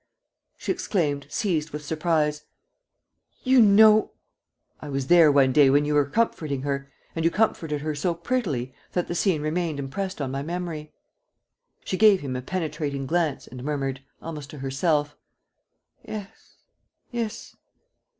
she exclaimed, seized with surprise. "You know ..." "I was there one day when you were comforting her. ... And you comforted her so prettily that the scene remained impressed on my memory." She gave him a penetrating glance and murmured, almost to herself: "Yes, yes.